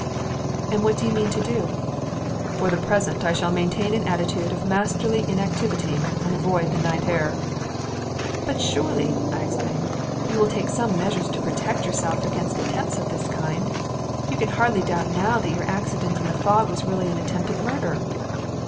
"And what do you mean to do?" "For the present I shall maintain an attitude of masterly inactivity and avoid the night air." "But, surely," I exclaimed, "you will take some measures to protect yourself against attempts of this kind. You can hardly doubt now that your accident in the fog was really an attempted murder."